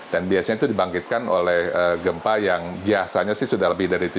dan biasanya itu dibangkitkan oleh gempa yang biasanya sudah lebih dari tujuh lima